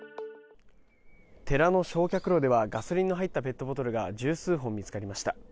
寺の焼却炉ではガソリンの入ったペットボトルが１０数本、見つかりました。